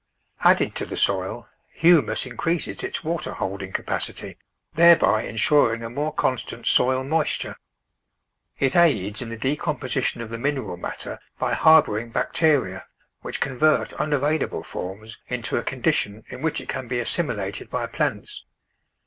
Added to the soil, humus increases its water holding capacity, thereby insuring a more constant soil moisture. It aids in the decomposi tion of the mineral matter by harbouring bacteria which convert unavailable forms into a condition in which it can be assimilated bj^ plants.